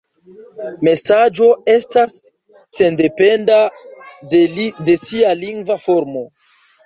Mesaĝo estas sendependa de sia lingva formo.